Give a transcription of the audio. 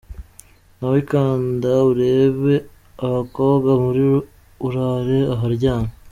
Nawe kanda urebe aba bakobwa muri "Urare Aharyana" :.